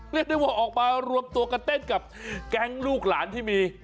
เรียกได้ว่าออกมารวมตัวกันเต้นกับแก๊งลูกหลานที่มี